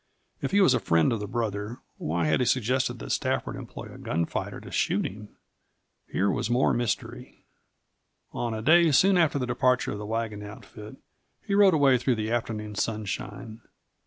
If he was a friend of the brother why had he suggested that Stafford employ a gunfighter to shoot him? Here was more mystery. On a day soon after the departure of the wagon outfit he rode away through the afternoon sunshine.